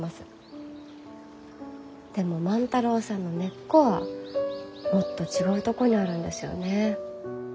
でも万太郎さんの根っこはもっと違うとこにあるんですよね。